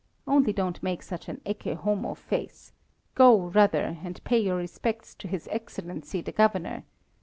Only don't make such an ecce homo face; go, rather, and pay your respects to his Excellency, the Governor.